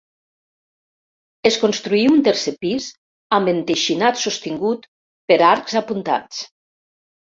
Es construí un tercer pis, amb enteixinat sostingut per arcs apuntats.